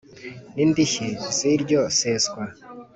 N Idishyi Z Iryo Seswa